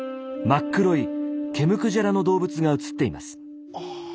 真っ黒い毛むくじゃらの動物が映っています。